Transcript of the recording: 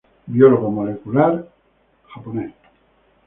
Biólogo molecular estadounidense.